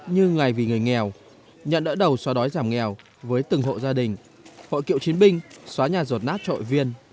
như ngày vì người nghèo nhận đỡ đầu xóa đói giảm nghèo với từng hộ gia đình hội cựu chiến binh xóa nhà rột nát trội viên